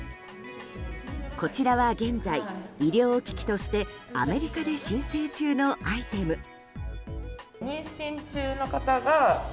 こちらは、現在医療機器としてアメリカで申請中のアイテム。